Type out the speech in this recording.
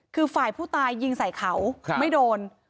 คือฝ่ายผู้ตายยิงใส่เขาไม่โดน